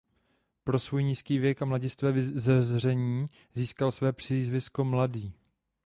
Pro svůj nízký věk a mladistvé vzezření získal své přízvisko "mladý".